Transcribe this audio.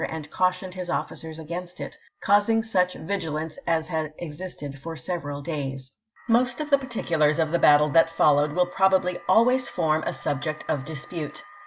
and cautioned his officers against it, causing such p. 91. ■' vigilance as had existed for several days. Most of the particulars of the battle that followed will probably always form a subject of dispute.